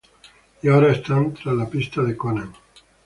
Y ahora están tras la pista de Conan.